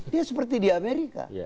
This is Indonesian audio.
dia seperti di amerika